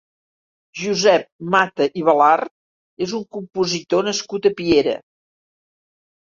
Josep Mata i Balart és un compositor nascut a Piera.